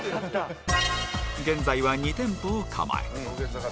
現在は２店舗を構え